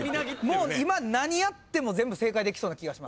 もう今何やっても全部正解できそうな気がします。